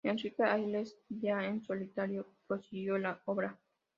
Enrique Ayres, ya en solitario, prosiguió la obra.